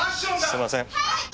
すいません。